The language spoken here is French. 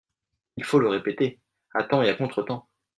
Il faut le répéter, à temps et à contretemps.